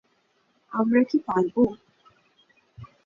আমরা কি পারব?